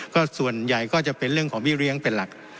ก็ส่วนใหญ่ก็จะเป็นเรื่องของพี่เลี้ยงเป็นหลัก